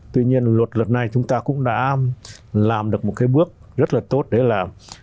tuy nhiên luật đất này chúng ta cũng đã làm được một cái bước rất là tốt đấy là